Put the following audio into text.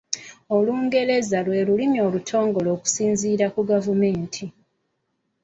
Olungereza lwe lulimi olutongole okusinzira ku gavumenti.